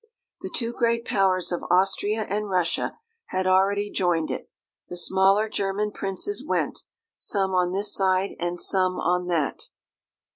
The two great Powers of Austria and Russia had already joined it; the smaller German princes went, some on this side and some on that.